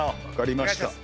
分かりました。